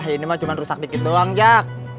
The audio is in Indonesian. ini mah cuma rusak dikit doang ya